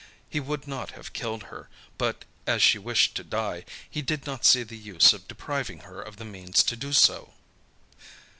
He would not have killed her, but as she wished to die, he did not see the use of depriving her of the means to do so.